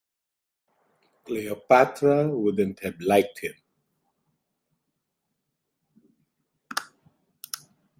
Cleopatra wouldn't have liked him.